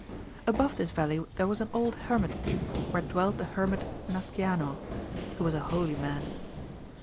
Above this valley there was an old hermitage, ^here dwelt the Hermit Nasciano, who was a holy man : it 184 AMADIS OF GAUL.